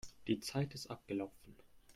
Die Zeit ist abgelaufen.